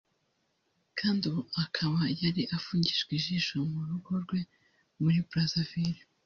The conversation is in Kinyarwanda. kuri ubu akaba yari afungishijwe ijisho mu rugo rwe muri Brazaville